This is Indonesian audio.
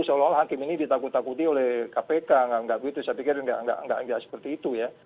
seolah olah hakim ini ditakut takuti oleh kpk nggak begitu saya pikir nggak seperti itu ya